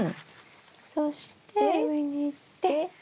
そして上にいってこれが。